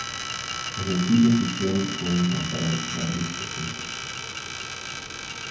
En el Sitio Oficial puede encontrar varios ejemplos.